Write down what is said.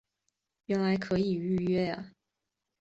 原来可以预约呀